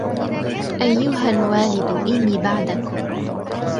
أيها الوالد إني بعدكم